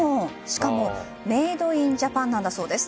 しかもメイドインジャパンなんだそうです。